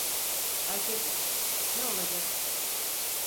Erkekmiş… Ne olacak?